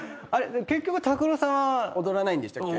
結局拓郎さんは。踊らないんでしたっけ？